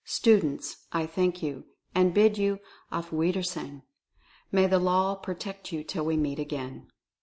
Students, I thank you — and bid you Auf Wieder sehen! May the Law protect you till we meet again!